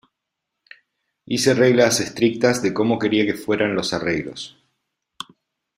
Hice reglas estrictas de como quería que fueran los arreglos.